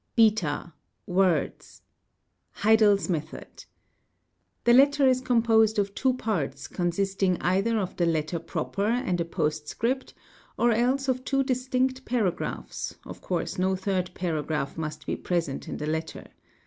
| (8) Words. Heidel's method. The letter is composed of two parts consisting either of the letter proper and a postcript or else of two distinct paragraphs (of course no third paragraph must be present in the letter).